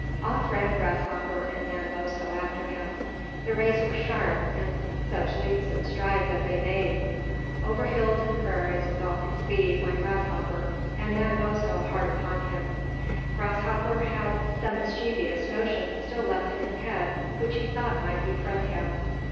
Off ran Grasshopper and Manabozho after him. The race was sharp; and such leaps and strides as they made! Over hills and prairies with all his speed went Grasshopper, and Manabozho hard upon him. Grasshopper had some mischievous notions still left in his head which he thought might befriend him.